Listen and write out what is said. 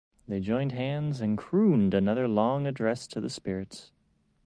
They joined hands and crooned another long address to the spirits.